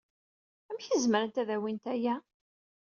Amek ay zemrent ad awyent aya?